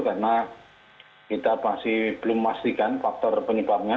karena kita masih belum memastikan faktor penyebabnya